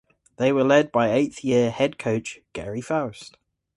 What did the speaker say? They were led by eighth–year head coach Gerry Faust.